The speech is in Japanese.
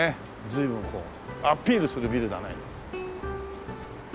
随分こうアピールするビルだね。